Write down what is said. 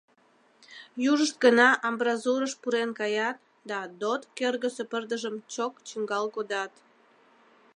Южышт гына амбразурыш пурен каят да ДОТ кӧргысӧ пырдыжым чок чӱҥгал кодат.